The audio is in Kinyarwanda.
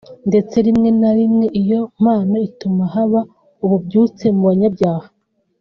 ndetse rimwe na rimwe iyo mpano ituma haba ububyutse mu banyabyaha